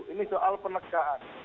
ini soal penegakan